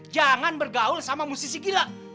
jangan bergaul sama musisi gila